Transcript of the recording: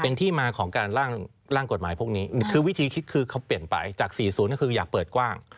เป็นที่มาของการร่างกฎหมายพวกนี้คือวิธีคิดคือเขาเปลี่ยนไปจาก๔๐ก็คืออยากเปิดกว้าง